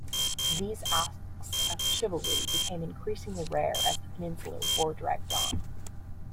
These acts of chivalry became increasingly rare as the Peninsular War dragged on.